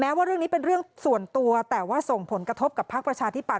ว่าเรื่องนี้เป็นเรื่องส่วนตัวแต่ว่าส่งผลกระทบกับภาคประชาธิปัต